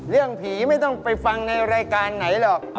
เรื่องผีไม่ต้องไปฟังในรายการไหนหรอก